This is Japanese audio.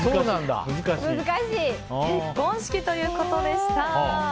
結婚式ということでした。